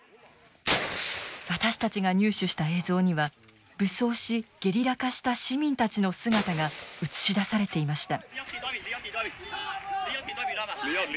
私たちが入手した映像には武装しゲリラ化した市民たちの姿が映し出されていました。